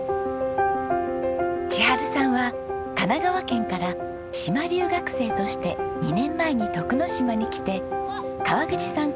千温さんは神奈川県から島留学生として２年前に徳之島に来て川口さん